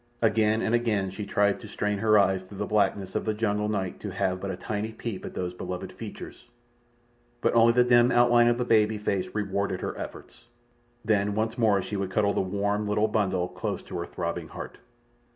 Again and again she tried to strain her eyes through the blackness of the jungle night to have but a tiny peep at those beloved features, but only the dim outline of the baby face rewarded her efforts. Then once more she would cuddle the warm, little bundle close to her throbbing heart.